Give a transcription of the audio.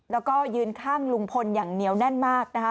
แล้วก็ยืนข้างลุงพลอย่างเหนียวแน่นมากนะคะ